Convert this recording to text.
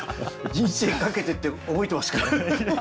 「人生かけて」って覚えてますからね。